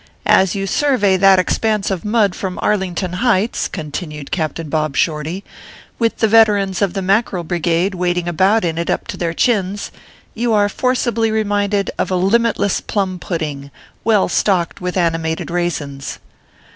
As you survey that expanse of mud from Arlington Heights/ con tinued Captain Bob Shorty, " with the veterans of the Mackerel Brigade wading about in it up to their chins, you are forcibly reminded of a limitless plum pudding, well stocked with animated raisins."